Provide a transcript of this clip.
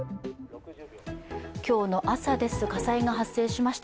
今日の朝です、火災が発生しました。